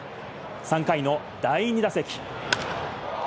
３回の第２打席。